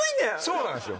そうなんですよ